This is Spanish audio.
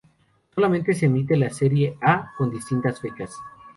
Solamente se emite la serie A, con distintas fechas.